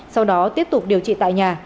sau đó tiếp tục điều trị tại nhà